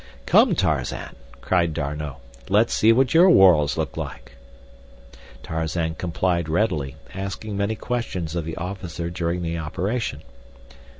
"Come, Tarzan," cried D'Arnot, "let's see what your whorls look like." Tarzan complied readily, asking many questions of the officer during the operation.